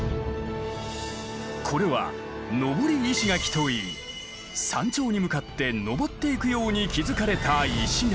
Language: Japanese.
これは「登り石垣」といい山頂に向かって登っていくように築かれた石垣。